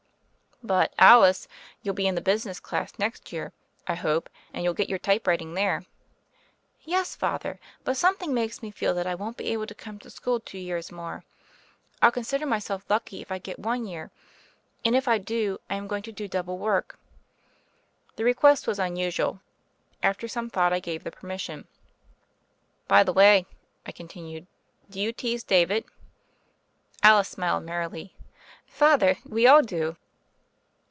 "But, Alice, you'll be in the business class next year, I hope ; and you'll get your typewrit ing tnere." "Yes, Father; but something makes me feel that I won't be able to come to school two years more: I'll consider myself lucky, if I get one THE FAIRY OF THE SNOWS 129 year. And if I do, I am going to do double work." The request was unusual. After some thought I gave the permission. By the way," I continued, "do you tease David?" Alice smiled merrily. "Father, we all do."